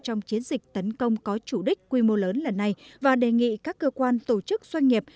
trong chiến dịch tấn công có chủ đích quy mô lớn lần này và đề nghị các cơ quan tổ chức doanh nghiệp